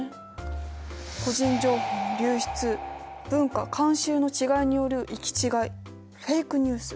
個人情報の流出文化・慣習の違いによる行き違いフェイク・ニュース。